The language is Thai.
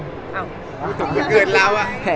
พูดตรงเหมือนเกิดแล้วอะ